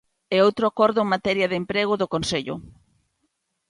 E outro acordo en materia de emprego do Consello.